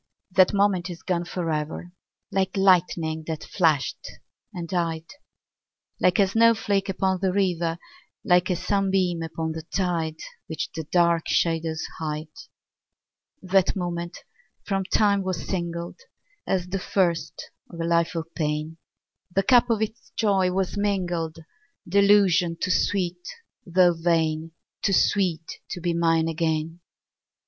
_5 2. That moment is gone for ever, Like lightning that flashed and died Like a snowflake upon the river Like a sunbeam upon the tide, Which the dark shadows hide. _10 3. That moment from time was singled As the first of a life of pain; The cup of its joy was mingled Delusion too sweet though vain! Too sweet to be mine again.